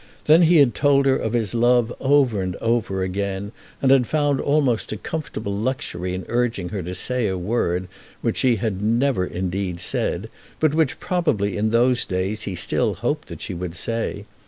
Then he had told her of his love over and over again, and had found almost a comfortable luxury in urging her to say a word, which she had never indeed said, but which probably in those days he still hoped that she would say.